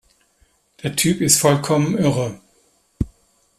Der Typ ist vollkommen irre!